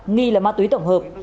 nghi là ma túy tổng hợp